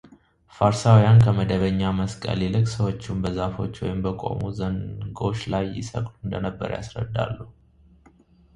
ፋርሳውያን ከመደበኛ መስቀል ይልቅ ሰዎችን በዛፎች ወይም በቆሙ ዘንጎች ላይ ይሰቅሉ እንደነበር ያስረዳሉ።